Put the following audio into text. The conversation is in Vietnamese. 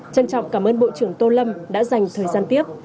trân trọng cảm ơn bộ trưởng tô lâm đã dành thời gian tiếp